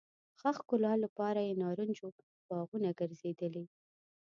ښه ښکلا لپاره یې نارنجو باغونه ګرځېدلي.